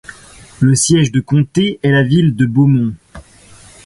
Le siège de comté est la ville de Beaumont.